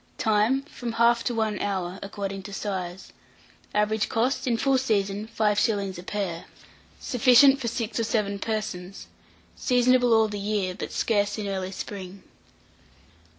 Time. From 1/2 to 1 hour, according to size. Average cost, in full season, 5s. a pair. Sufficient for 6 or 7 persons. Seasonable all the year, but scarce in early spring.